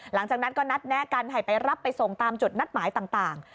หลังจากนั้นก็นัดแนะกันให้ไปรับไปส่งตามจุดนัดหมายต่าง